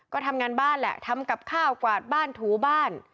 ก็ทำงานบ้านแหละทำกับข้าวกวาดบ้านถูบ้าน